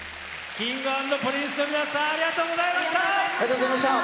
Ｋｉｎｇ＆Ｐｒｉｎｃｅの皆さん、ありがとうございました。